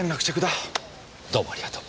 どうもありがとう。